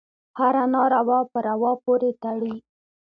هره ناروا په روا پورې تړي.